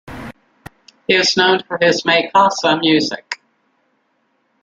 He is known for his makossa music.